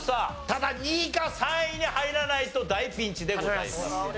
ただ２位か３位に入らないと大ピンチでございます。